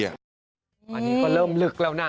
อันนี้ก็เริ่มลึกแล้วนะ